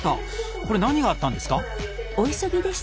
これ何があったんですか？